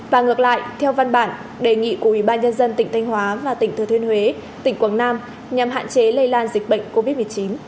và ngược lại theo văn bản đề nghị của ủy ban nhân dân tỉnh thanh hóa và tỉnh thừa thiên huế tỉnh quảng nam nhằm hạn chế lây lan dịch bệnh covid một mươi chín